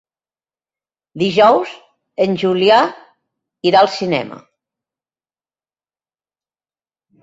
Dijous en Julià irà al cinema.